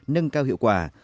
nâng cao hiệu quả